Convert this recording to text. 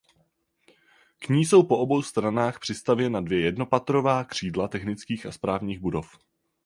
K ní jsou po obou stranách přistavěna dvě jednopatrová křídla technických a správních budov.